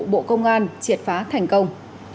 bộ công an triệt phá thành công